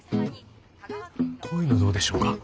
こういうのどうでしょうか？